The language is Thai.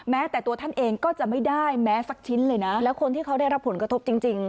แม้แต่ตัวท่านเองก็จะไม่ได้แม้สักชิ้นเลยนะแล้วคนที่เขาได้รับผลกระทบจริง